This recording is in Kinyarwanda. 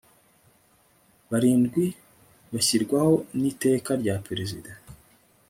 barindwi bashyirwaho n iteka rya perezida